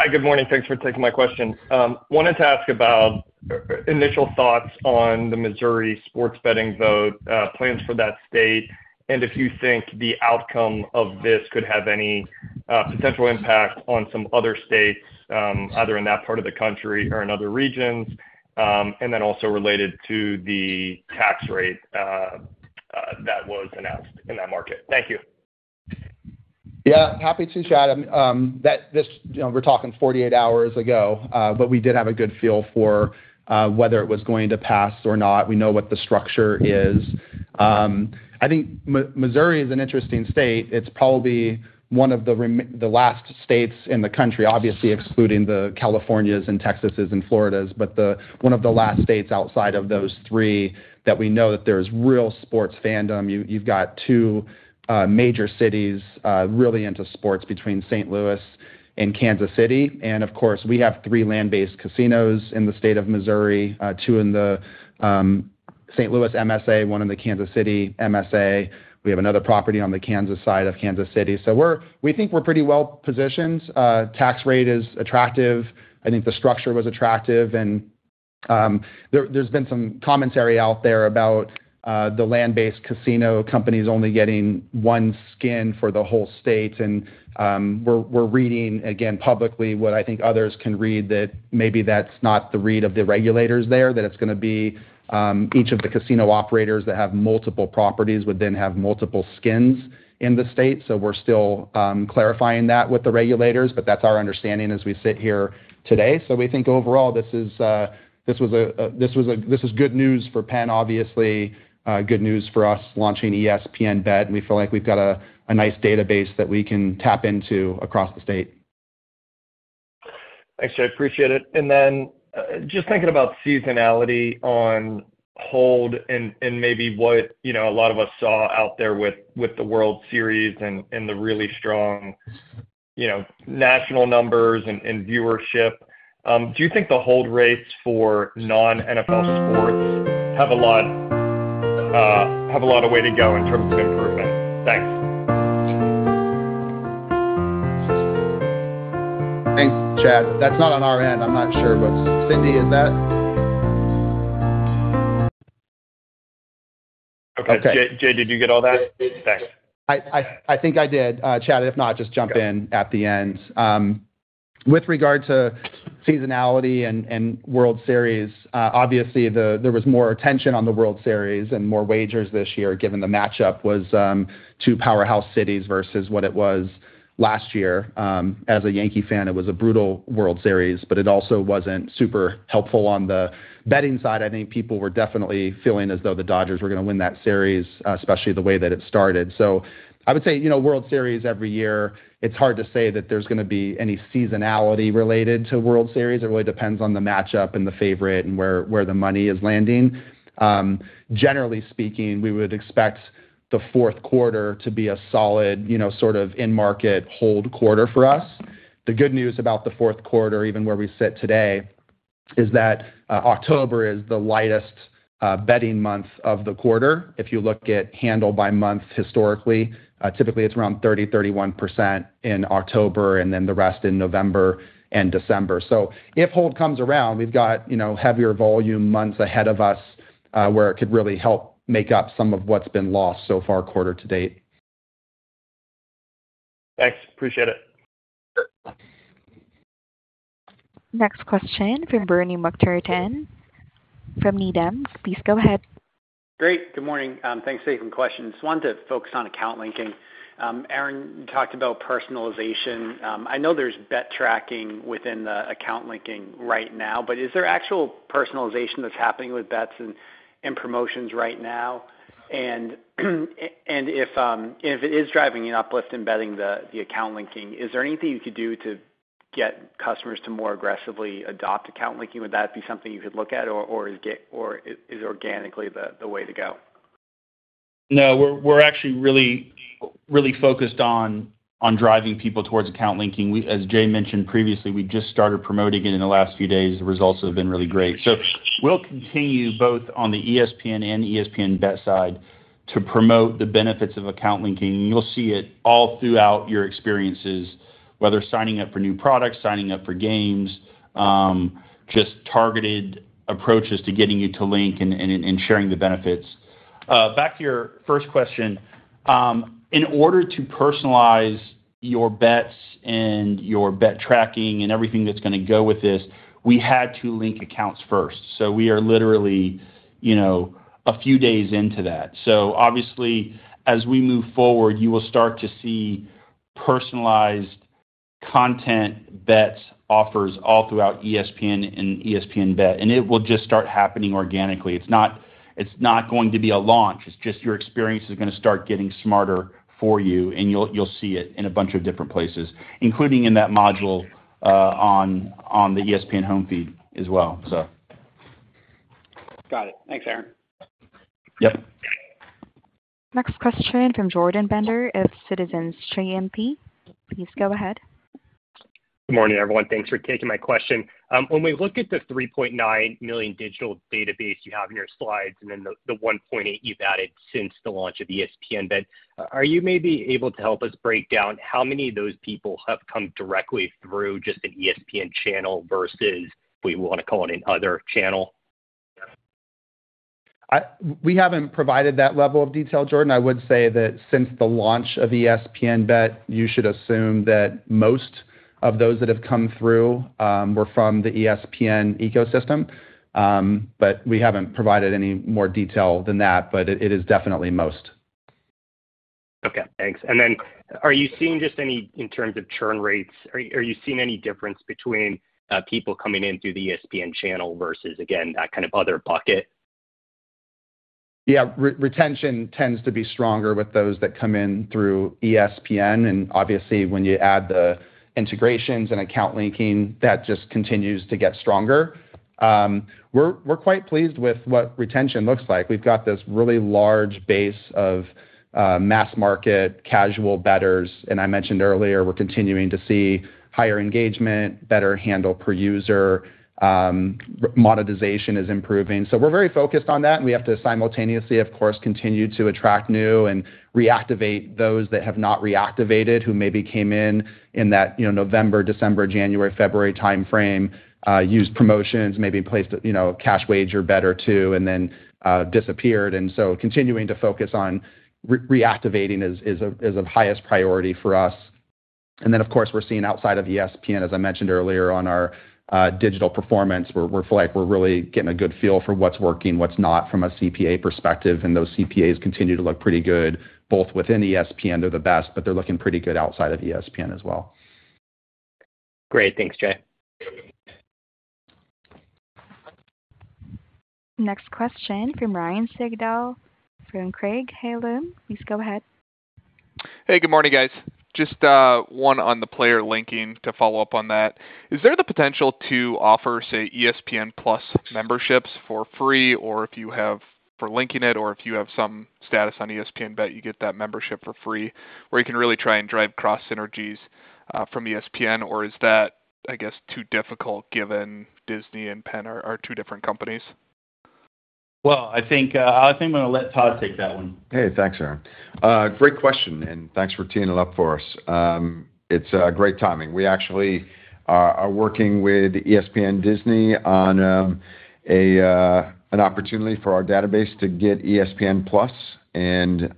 Speaker 15: Hi, good morning. Thanks for taking my question. Wanted to ask about initial thoughts on the Missouri sports betting vote, plans for that state, and if you think the outcome of this could have any potential impact on some other states, either in that part of the country or in other regions, and then also related to the tax rate that was announced in that market. Thank you.
Speaker 3: Yeah. Happy to Chad. We're talking 48 hours ago, but we did have a good feel for whether it was going to pass or not. We know what the structure is. I think Missouri is an interesting state. It's probably one of the last states in the country, obviously, excluding the Californias and Texases and Floridas, but one of the last states outside of those three that we know that there's real sports fandom. You've got two major cities really into sports between St. Louis and Kansas City. And of course, we have three land-based casinos in the state of Missouri, two in the St. Louis MSA, one in the Kansas City MSA. We have another property on the Kansas side of Kansas City. So we think we're pretty well positioned. Tax rate is attractive. I think the structure was attractive. There's been some commentary out there about the land-based casino companies only getting one skin for the whole state. We're reading, again, publicly what I think others can read that maybe that's not the read of the regulators there, that it's going to be each of the casino operators that have multiple properties would then have multiple skins in the state. We're still clarifying that with the regulators, but that's our understanding as we sit here today. We think overall, this was good news for Penn, obviously, good news for us launching ESPN BET. We feel like we've got a nice database that we can tap into across the state.
Speaker 15: Thanks, Jay. Appreciate it. And then just thinking about seasonality on hold and maybe what a lot of us saw out there with the World Series and the really strong national numbers and viewership, do you think the hold rates for non-NFL sports have a lot of way to go in terms of improvement? Thanks.
Speaker 3: Thanks, Chad. That's not on our end. I'm not sure, but Cindy, is that?
Speaker 15: Okay. Jay, did you get all that? Thanks.
Speaker 3: I think I did. Chad, if not, just jump in at the end. With regard to seasonality and World Series, obviously, there was more attention on the World Series and more wagers this year given the matchup was two powerhouse cities versus what it was last year. As a Yankee fan, it was a brutal World Series, but it also wasn't super helpful on the betting side. I think people were definitely feeling as though the Dodgers were going to win that series, especially the way that it started. So I would say World Series every year, it's hard to say that there's going to be any seasonality related to World Series. It really depends on the matchup and the favorite and where the money is landing. Generally speaking, we would expect the fourth quarter to be a solid sort of in-market hold quarter for us. The good news about the fourth quarter, even where we sit today, is that October is the lightest betting month of the quarter. If you look at handle by month historically, typically it's around 30%-31% in October and then the rest in November and December. So if hold comes around, we've got heavier volume months ahead of us where it could really help make up some of what's been lost so far quarter to date.
Speaker 15: Thanks. Appreciate it.
Speaker 1: Next question from Bernie McTernan from Needham, please go ahead.
Speaker 16: Great. Good morning. Thanks for taking the question. Just wanted to focus on account linking. Aaron, you talked about personalization. I know there's bet tracking within the account linking right now, but is there actual personalization that's happening with bets and promotions right now? And if it is driving an uplift in betting the account linking, is there anything you could do to get customers to more aggressively adopt account linking? Would that be something you could look at, or is organically the way to go?
Speaker 9: No. We're actually really focused on driving people towards account linking. As Jay mentioned previously, we just started promoting it in the last few days. The results have been really great, so we'll continue both on the ESPN and ESPN BET side to promote the benefits of account linking. You'll see it all throughout your experiences, whether signing up for new products, signing up for games, just targeted approaches to getting you to link and sharing the benefits. Back to your first question. In order to personalize your bets and your bet tracking and everything that's going to go with this, we had to link accounts first, so we are literally a few days into that, so obviously, as we move forward, you will start to see personalized content, bets, offers all throughout ESPN and ESPN BET, and it will just start happening organically. It's not going to be a launch. It's just your experience is going to start getting smarter for you, and you'll see it in a bunch of different places, including in that module on the ESPN home feed as well, so.
Speaker 15: Got it. Thanks, Aaron.
Speaker 9: Yep.
Speaker 1: Next question from Jordan Bender of Citizens JMP Securities. Please go ahead.
Speaker 17: Good morning, everyone. Thanks for taking my question. When we look at the 3.9 million digital database you have in your slides and then the 1.8 you've added since the launch of ESPN BET, are you maybe able to help us break down how many of those people have come directly through just an ESPN channel versus we want to call it another channel?
Speaker 3: We haven't provided that level of detail, Jordan. I would say that since the launch of ESPN BET, you should assume that most of those that have come through were from the ESPN ecosystem. But we haven't provided any more detail than that, but it is definitely most.
Speaker 17: Okay. Thanks. And then are you seeing just any in terms of churn rates? Are you seeing any difference between people coming in through the ESPN channel versus, again, that kind of other bucket?
Speaker 3: Yeah. Retention tends to be stronger with those that come in through ESPN, and obviously, when you add the integrations and account linking, that just continues to get stronger. We're quite pleased with what retention looks like. We've got this really large base of mass market casual bettors, and I mentioned earlier, we're continuing to see higher engagement, better handle per user. Monetization is improving, so we're very focused on that. We have to simultaneously, of course, continue to attract new and reactivate those that have not reactivated who maybe came in in that November, December, January, February timeframe, used promotions, maybe placed a cash wager or two, and then disappeared, and so continuing to focus on reactivating is of highest priority for us. Then, of course, we're seeing outside of ESPN, as I mentioned earlier on our digital performance. We're really getting a good feel for what's working, what's not from a CPA perspective. Those CPAs continue to look pretty good. Both within ESPN, they're the best, but they're looking pretty good outside of ESPN as well.
Speaker 17: Great. Thanks, Jay.
Speaker 4: Next question from Ryan Sigdahl from Craig-Hallum Capital Group, please go ahead.
Speaker 18: Hey, good morning, guys. Just one on the player linking to follow up on that. Is there the potential to offer, say, ESPN+ memberships for free or if you have for linking it or if you have some status on ESPN BET, you get that membership for free where you can really try and drive cross synergies from ESPN? Or is that, I guess, too difficult given Disney and Penn are two different companies?
Speaker 9: Well, I think I'm going to let Todd take that one.
Speaker 7: Hey, thanks, Aaron. Great question, and thanks for teeing it up for us. It's great timing. We actually are working with ESPN and Disney on an opportunity for our database to get ESPN+, and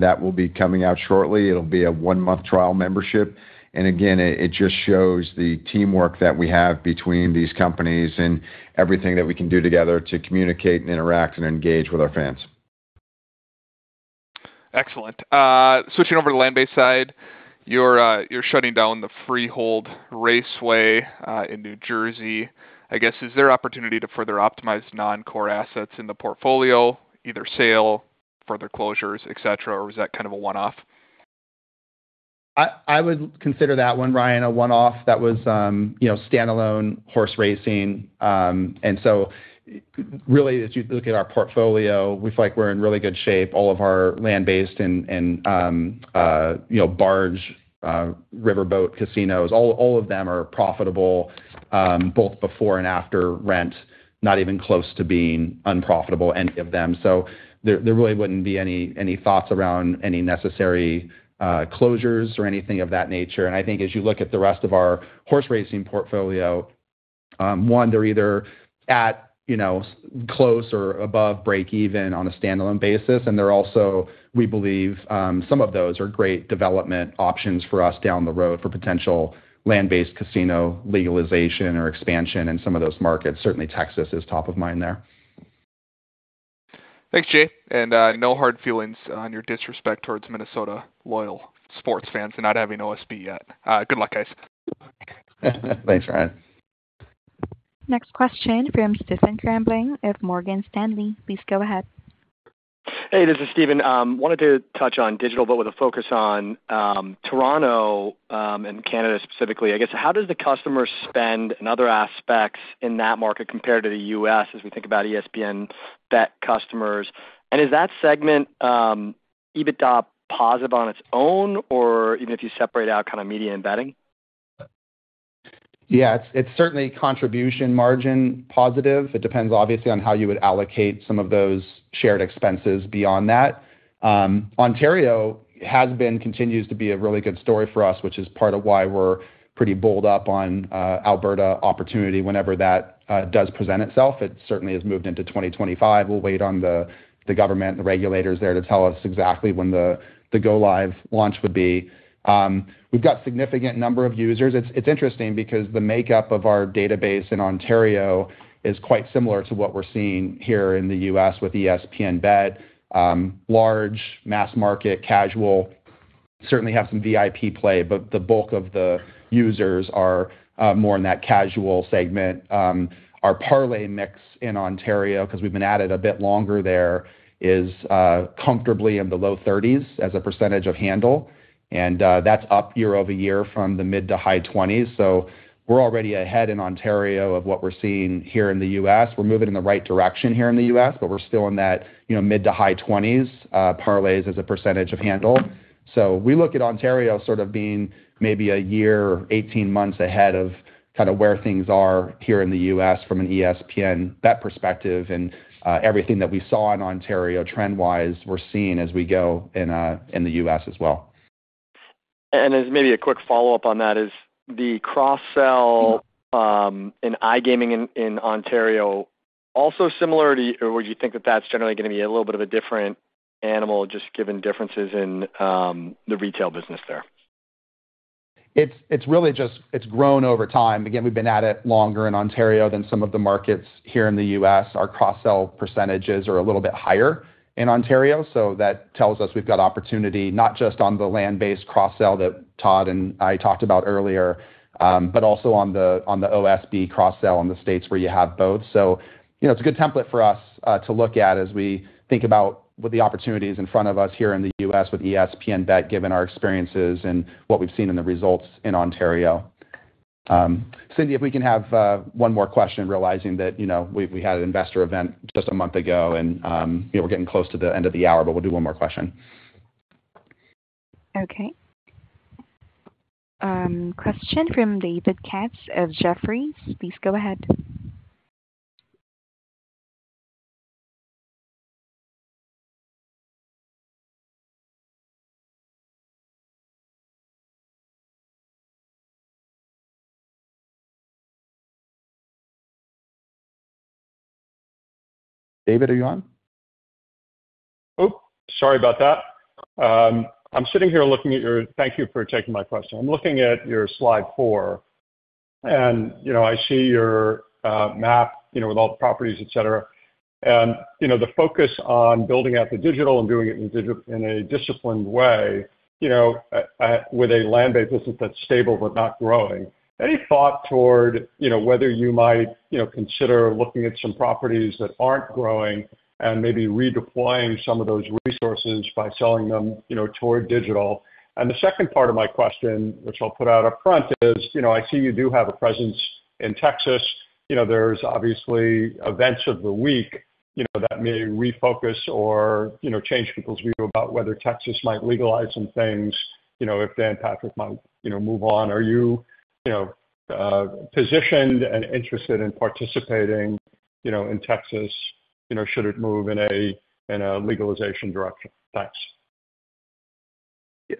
Speaker 7: that will be coming out shortly. It'll be a one-month trial membership. And again, it just shows the teamwork that we have between these companies and everything that we can do together to communicate and interact and engage with our fans.
Speaker 18: Excellent. Switching over to the land-based side. You're shutting down the Freehold Raceway in New Jersey. I guess, is there opportunity to further optimize non-core assets in the portfolio, either sale, further closures, etc., or was that kind of a one-off?
Speaker 3: I would consider that one, Ryan, a one-off. That was standalone horse racing, and so really, as you look at our portfolio, we feel like we're in really good shape. All of our land-based and barge, riverboat casinos, all of them are profitable both before and after rent, not even close to being unprofitable, any of them. So there really wouldn't be any thoughts around any necessary closures or anything of that nature, and I think as you look at the rest of our horse racing portfolio, one, they're either at close or above break-even on a standalone basis, and they're also, we believe, some of those are great development options for us down the road for potential land-based casino legalization or expansion in some of those markets. Certainly, Texas is top of mind there.
Speaker 18: Thanks, Jay. And no hard feelings on your disrespect towards Minnesota loyal sports fans for not having OSB yet. Good luck, guys.
Speaker 7: Thanks, Ryan.
Speaker 1: Next question from Stephen Grambling of Morgan Stanley. Please go ahead.
Speaker 19: Hey, this is Stephen. Wanted to touch on digital, but with a focus on Toronto and Canada specifically. I guess, how does the customer spend and other aspects in that market compared to the US as we think about ESPN BET customers? And is that segment, EBITDA, positive on its own or even if you separate out kind of media and betting?
Speaker 3: Yeah. It's certainly contribution margin positive. It depends, obviously, on how you would allocate some of those shared expenses beyond that. Ontario has been, continues to be a really good story for us, which is part of why we're pretty bullish on the Alberta opportunity whenever that does present itself. It certainly has moved into 2025. We'll wait on the government and the regulators there to tell us exactly when the go-live launch would be. We've got a significant number of users. It's interesting because the makeup of our database in Ontario is quite similar to what we're seeing here in the U.S. with ESPN BET. Large, mass market, casual, certainly have some VIP play, but the bulk of the users are more in that casual segment. Our parlay mix in Ontario, because we've been at it a bit longer there, is comfortably in the low 30s as a percentage of handle. And that's up year over year from the mid to high 20s. So we're already ahead in Ontario of what we're seeing here in the U.S. We're moving in the right direction here in the U.S., but we're still in that mid to high 20s parlays as a percentage of handle. So we look at Ontario sort of being maybe a year, 18 months ahead of kind of where things are here in the U.S. from an ESPN BET perspective and everything that we saw in Ontario trend-wise we're seeing as we go in the U.S. as well.
Speaker 19: As maybe a quick follow-up on that, is the cross-sell in iGaming in Ontario also similar to, or would you think that that's generally going to be a little bit of a different animal just given differences in the retail business there?
Speaker 3: It's really just it's grown over time. Again, we've been at it longer in Ontario than some of the markets here in the U.S. Our cross-sell percentages are a little bit higher in Ontario. So that tells us we've got opportunity not just on the land-based cross-sell that Todd and I talked about earlier, but also on the OSB cross-sell in the states where you have both. So it's a good template for us to look at as we think about what the opportunities in front of us here in the U.S. with ESPN BET given our experiences and what we've seen in the results in Ontario. Cindy, if we can have one more question, realizing that we had an investor event just a month ago and we're getting close to the end of the hour, but we'll do one more question.
Speaker 1: Okay. Question from David Katz of Jefferies. Please go ahead.
Speaker 3: David, are you on?
Speaker 20: Oops. Sorry about that. I'm sitting here looking at your deck. Thank you for taking my question. I'm looking at your slide four, and I see your map with all the properties, etc. And the focus on building out the digital and doing it in a disciplined way with a land-based business that's stable but not growing. Any thought toward whether you might consider looking at some properties that aren't growing and maybe redeploying some of those resources by selling them toward digital? And the second part of my question, which I'll put out upfront, is I see you do have a presence in Texas. There's obviously events of the week that may refocus or change people's view about whether Texas might legalize some things if Dan Patrick might move on. Are you positioned and interested in participating in Texas should it move in a legalization direction? Thanks.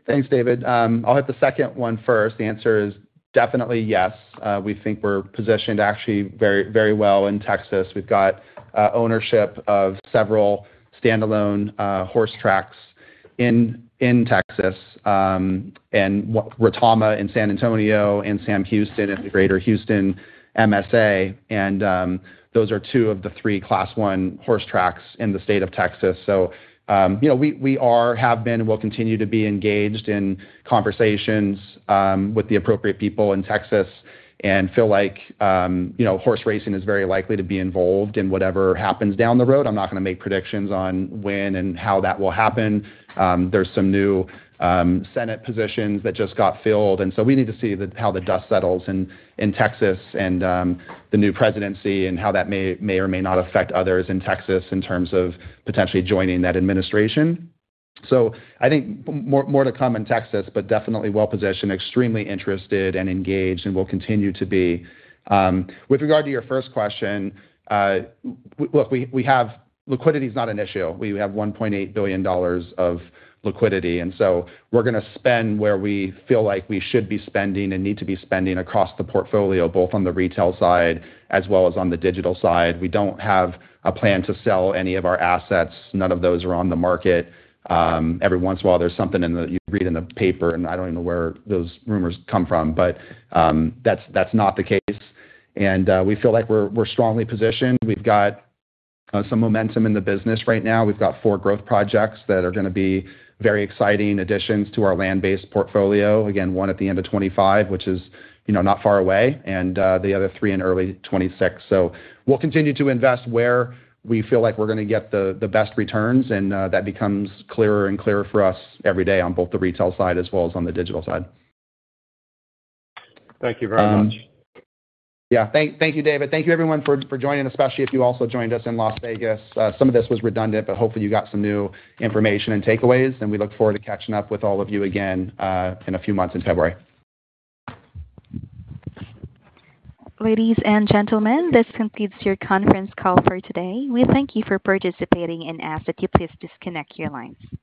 Speaker 3: Thanks, David. I'll hit the second one first. The answer is definitely yes. We think we're positioned actually very well in Texas. We've got ownership of several standalone horse tracks in Texas and Retama Park in San Antonio and Sam Houston Race Park at the Greater Houston MSA. And those are two of the three class one horse tracks in the state of Texas. So we are, have been, and will continue to be engaged in conversations with the appropriate people in Texas and feel like horse racing is very likely to be involved in whatever happens down the road. I'm not going to make predictions on when and how that will happen. There's some new Senate positions that just got filled. And so we need to see how the dust settles in Texas and the new presidency and how that may or may not affect others in Texas in terms of potentially joining that administration. So I think more to come in Texas, but definitely well positioned, extremely interested and engaged, and will continue to be. With regard to your first question, look, liquidity is not an issue. We have $1.8 billion of liquidity. And so we're going to spend where we feel like we should be spending and need to be spending across the portfolio, both on the retail side as well as on the digital side. We don't have a plan to sell any of our assets. None of those are on the market. Every once in a while, there's something you read in the paper, and I don't even know where those rumors come from, but that's not the case, and we feel like we're strongly positioned. We've got some momentum in the business right now. We've got four growth projects that are going to be very exciting additions to our land-based portfolio. Again, one at the end of 2025, which is not far away, and the other three in early 2026, so we'll continue to invest where we feel like we're going to get the best returns, and that becomes clearer and clearer for us every day on both the retail side as well as on the digital side.
Speaker 20: Thank you very much.
Speaker 3: Yeah. Thank you, David. Thank you, everyone, for joining, especially if you also joined us in Las Vegas. Some of this was redundant, but hopefully you got some new information and takeaways. And we look forward to catching up with all of you again in a few months in February.
Speaker 1: Ladies and gentlemen, this concludes your conference call for today. We thank you for participating and ask that you please disconnect your lines.